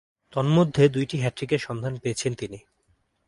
তন্মধ্যে, দুইটি হ্যাট্রিকের সন্ধান পেয়েছেন তিনি।